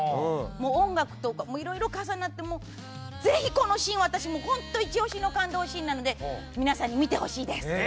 音楽とかいろいろ重なってぜひ、このシーン私、本当にイチ押しの感動シーンなので皆さんに見てほしいです。